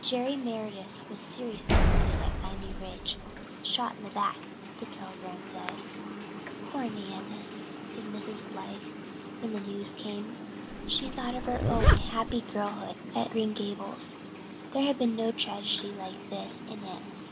Jerry Meredith was seriously wounded at Vimy Ridge shot in the back, the telegram said. "Poor Nan," said Mrs. Blythe, when the news came. She thought of her own happy girlhood at old Green Gables. There had been no tragedy like this in it.